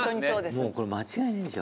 もうこれ間違いないでしょ。